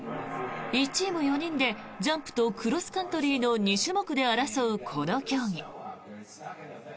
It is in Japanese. １チーム４人でジャンプとクロスカントリーの２種目で争うこの競技。